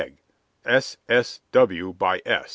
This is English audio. W. by S.